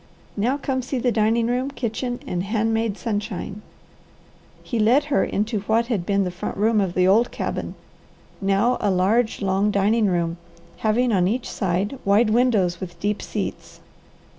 Now come see the dining room, kitchen, and hand made sunshine." He led her into what had been the front room of the old cabin, now a large, long dining room having on each side wide windows with deep seats.